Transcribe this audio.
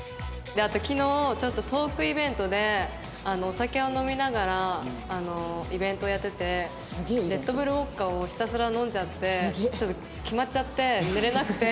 あと昨日ちょっとトークイベントでお酒を飲みながらイベントやっててレッドブルウォッカをひたすら飲んじゃってちょっとキマっちゃって寝れなくて。